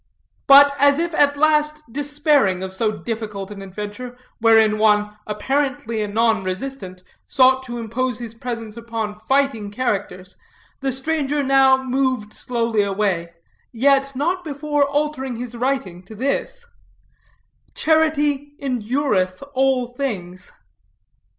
But, as if at last despairing of so difficult an adventure, wherein one, apparently a non resistant, sought to impose his presence upon fighting characters, the stranger now moved slowly away, yet not before altering his writing to this: "Charity endureth all things."